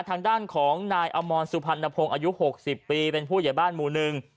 ทางด้านของนายอมรสุพรรณพงศ์อายุ๖๐ปีเป็นผู้เยี่ยบ้านหมู่๑